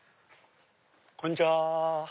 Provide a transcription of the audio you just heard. こんにちは！